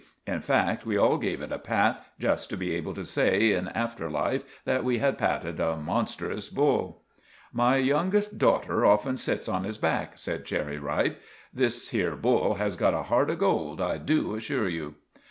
In fact, we all gave it a pat, just to be able to say in after life that we had patted a monstrous bull. "My youngest daughter often sits on his back," said Cherry Ripe. "This here bull has got a heart of gold, I do assure you."